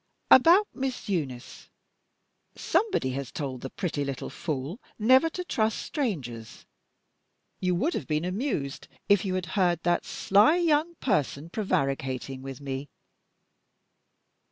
About Miss Eunice. Somebody has told the pretty little fool never to trust strangers. You would have been amused, if you had heard that sly young person prevaricating with me.